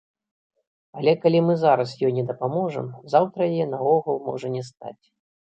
Але калі мы зараз ёй не дапаможам, заўтра яе наогул можа не стаць.